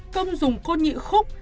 công dùng côn nhị khúc